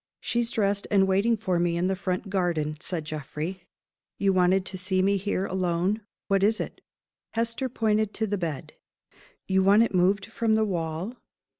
"She's dressed, and waiting for me in the front garden," said Geoffrey. "You wanted to see me here alone. What is it?" Hester pointed to the bed. "You want it moved from the wall?"